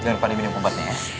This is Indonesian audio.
jangan pandai minum obatnya ya